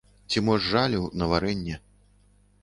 Ці мо з жалю, на варэнне.